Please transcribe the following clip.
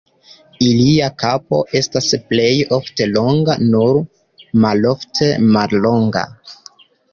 Ilia kapo estas plej ofte longa, nur malofte mallonga.